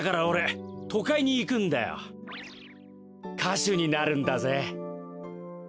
しゅになるんだぜ。